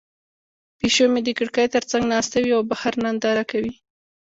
پیشو مې د کړکۍ تر څنګ ناسته وي او بهر ننداره کوي.